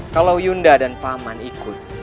kalau yunda dan paman ikut